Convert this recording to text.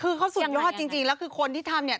คือเขาสุดยอดจริงแล้วคือคนที่ทำเนี่ย